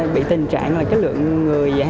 bị tình trạng là cái lượng người